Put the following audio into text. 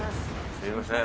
すいません。